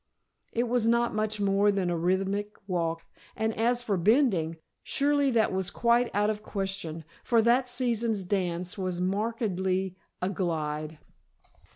It was not much more than a rhythmic walk, and as for bending surely that was quite out of question, for that season's dance was markedly a glide.